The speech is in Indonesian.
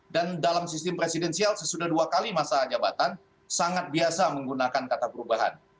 dan dalam sistem presidensial sesudah dua kali masa jabatan sangat biasa menggunakan kata perubahan